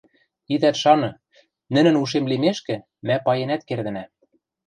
Итӓт шаны, нӹнӹн ушем лимешкӹ, мӓ паенӓт кердӹнӓ.